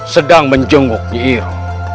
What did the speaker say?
sedang menjenguk nyiira